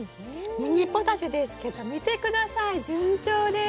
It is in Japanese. ミニポタジェですけど見て下さい順調です。